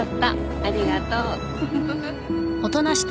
ありがとう。